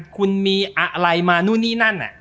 คุณมีอะไรมานู่นนี่